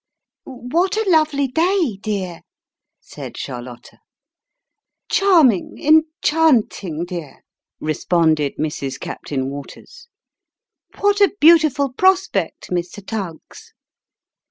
" What a lovely day, dear !" said Charlotta. "Charming; enchanting, dear!" responded Mrs. Captain Waters. " What a beautiful prospect, Mr. Tuggs